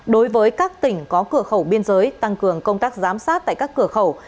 đối với các tỉnh có cửa khẩu biên giới tăng cường công tác giám sát tại các cửa khẩu